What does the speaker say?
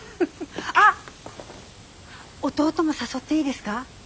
あっ弟も誘っていいですか？